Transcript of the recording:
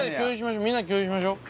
みんなで共有しましょう。